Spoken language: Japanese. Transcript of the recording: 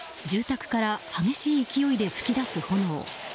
住宅から激しい勢いで噴き出す炎。